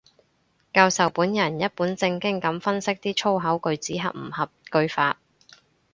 教授本人一本正經噉分析啲粗口句子合唔合句法